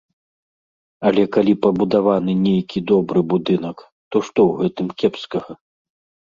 Але калі пабудаваны нейкі добры будынак, то што ў гэтым кепскага?